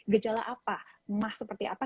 gejala apa emah seperti apa